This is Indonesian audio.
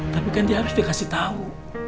tapi kan dia harus dikasih tahu